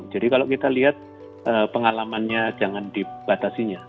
jadi kalau kita lihat pengalamannya jangan dibatasinya